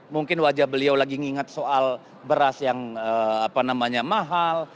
mungkin wajah beliau lagi mengingat soal beras yang apa namanya mahal